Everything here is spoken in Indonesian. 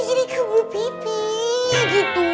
jadi kebul pipi gitu